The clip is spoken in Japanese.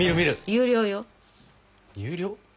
有料？